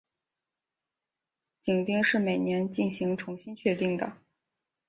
紧盯是每年进行重新确定的。